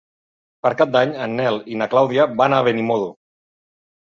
Per Cap d'Any en Nel i na Clàudia van a Benimodo.